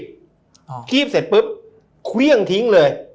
หาขี้บเสร็จปุ๊บเพิงถึงเลย